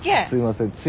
すいません。